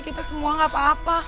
kita semua gak apa apa